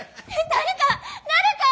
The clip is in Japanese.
誰か！